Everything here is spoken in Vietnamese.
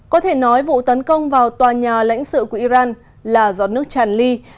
có thể nói vụ tấn công vào tòa nhà lãnh sự của iran là do nước tràn ly